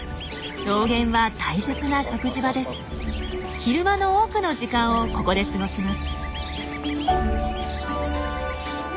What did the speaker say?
昼間の多くの時間をここで過ごします。